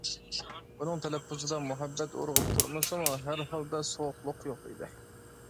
ئۇنىڭ تەلەپپۇزىدا مۇھەببەت ئۇرغۇپ تۇرمىسىمۇ ھەرھالدا سوغۇقلۇق يوق ئىدى.